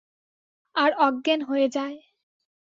আর অজ্ঞান হয়ে যায়।